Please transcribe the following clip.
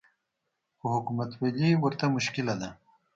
خو حکومتولي ورته مشکله ده